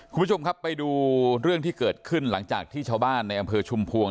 คุณผู้ชมครับไปดูเรื่องที่เกิดขึ้นหลังจากที่ชาวบ้านในอำเภอชุมพวง